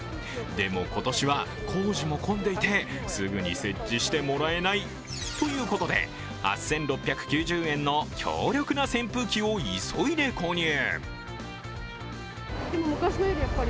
でも、今年は工事も混んでいてすぐに設置してもらえないということで８６９０円の強力な扇風機を急いで購入。